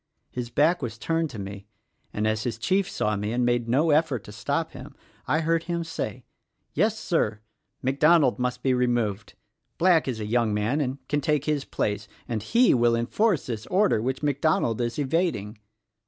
His back was turned to me and as his chief saw me and made no effort to stop him I heard him say : 'Yes, Sir ! MacDonald must be removed. Black is a young man and can take his place, and he will enforce this order which MacDonald is evad ing.'